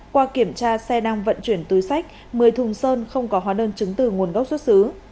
qua kiểm tra xe đang vận chuyển túi sách một mươi thùng sơn không có hóa đơn chứng từ nguồn gốc xuất xứ